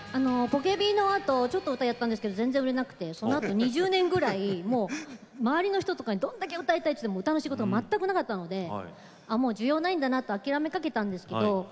ポケビのあとちょっと歌やったんですけど全然売れなくてそのあと２０年ぐらい周りの人とかにどんだけ歌いたいって言っても歌の仕事なかったので需要ないんだなって諦めかけたんですけど